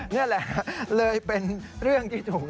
นี่แหละเลยเป็นเรื่องที่ถูก